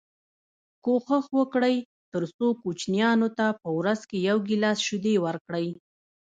کوښښ وکړئ تر څو کوچنیانو ته په ورځ کي یو ګیلاس شیدې ورکړی